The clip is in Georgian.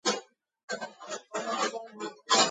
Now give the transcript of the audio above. მთავარი ქალაქია მარაკაი.